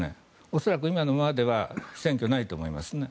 恐らく今のままでは選挙はないと思いますね。